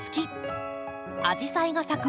アジサイが咲く